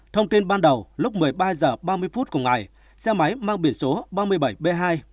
thông tin ban đầu lúc một mươi ba h ba mươi phút cùng ngày xe máy mang biển số ba mươi bảy b hai trăm bảy mươi hai nghìn ba trăm bảy mươi bốn